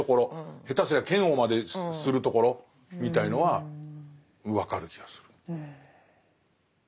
下手すりゃ嫌悪までするところみたいのは分かる気がする。